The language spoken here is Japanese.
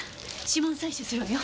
指紋採取するわよ。